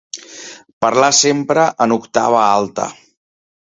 Parlar sempre en octava alta.